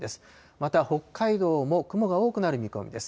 また北海道も雲が多くなる見込みです。